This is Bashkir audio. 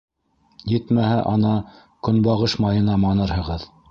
Етмәһә, ана көнбағыш майына манырһығыҙ.